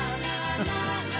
フフフ。